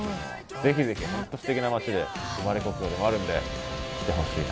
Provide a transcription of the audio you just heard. ぜひぜひ本当すてきな町で生まれ故郷でもあるんで来てほしいな。